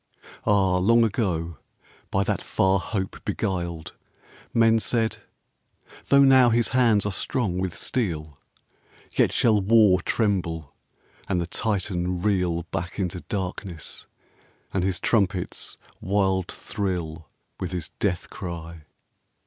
Ah ! long ago, by that far hope beguiled, Men said, "Tho' now his hands are strong with steel, Yet shall War tremble, and the Titan reel Back into darkness, and his trumpets wild Thrill with his death cry.